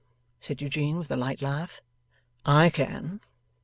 said Eugene with a light laugh, 'I can.